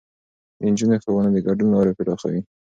د نجونو ښوونه د ګډون لارې پراخوي.